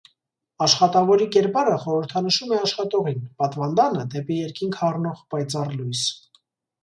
Աշխատավորի կերպարը խորհրդանշում է աշխատողին, պատվանդանը՝ դեպի երկինք հառնող պայծառ լույս։